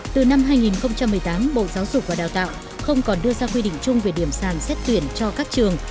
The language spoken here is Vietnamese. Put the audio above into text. từ năm hai nghìn một mươi tám bộ giáo dục và đào tạo không còn đưa ra quy định chung về điểm sàn xét tuyển cho các trường